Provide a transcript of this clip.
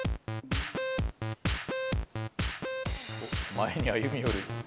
前に歩み寄る。